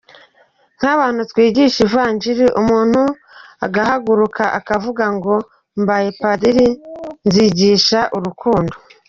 Nk’abantu twigisha ivanjiri umuntu agahaguruka akavuga ngo mbaye padiri nzigisha urukundo.